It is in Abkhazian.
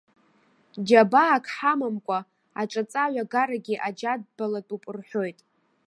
Џьабаак ҳамамкәа, аҿаҵа аҩагарагьы аџьа адбалатәуп рҳәоит.